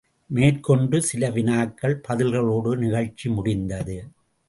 மேற்கொண்டு சில வினாக்கள் பதில்களோடு நிகழ்ச்சி முடிந்தது.